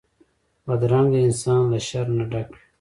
بدرنګه انسان له شر نه ډک وي